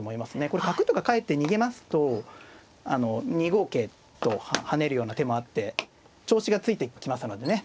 これ角とかかえって逃げますと２五桂と跳ねるような手もあって調子がついてきますのでね